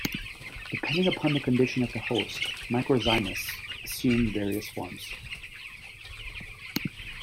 Depending upon the condition of the host, microzymas assume various forms.